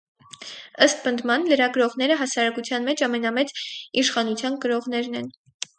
Ըստ պնդման, լրագրողները հասարակության մեջ ամենամեծ իշխանության կրողներն են։